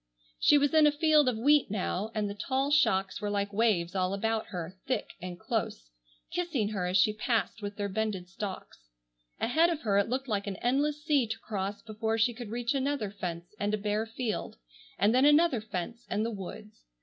She was in a field of wheat now, and the tall shocks were like waves all about her, thick and close, kissing her as she passed with their bended stalks. Ahead of her it looked like an endless sea to cross before she could reach another fence, and a bare field, and then another fence and the woods.